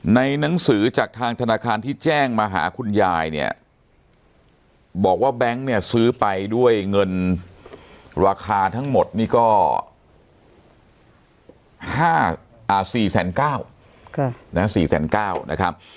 หนังสือจากทางธนาคารที่แจ้งมาหาคุณยายเนี่ยบอกว่าแบงค์เนี่ยซื้อไปด้วยเงินราคาทั้งหมดนี่ก็๔๙๐๐๔๙๐๐นะครับ